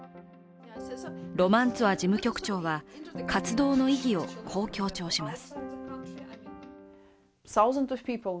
ロマンツォワ事務局長は活動の意義をこう強調します。